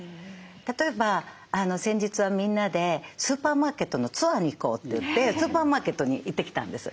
例えば先日はみんなでスーパーマーケットのツアーに行こうといってスーパーマーケットに行ってきたんです。